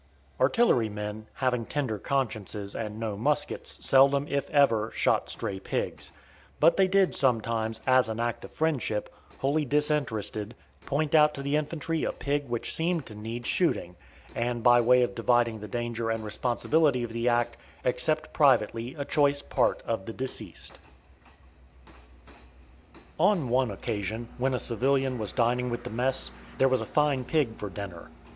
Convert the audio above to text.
Artillerymen, having tender consciences and no muskets, seldom, if ever, shot stray pigs; but they did sometimes, as an act of friendship, wholly disinterested, point out to the infantry a pig which seemed to need shooting, and by way of dividing the danger and responsibility of the act, accept privately a choice part of the deceased. On one occasion, when a civilian was dining with the mess, there was a fine pig for dinner.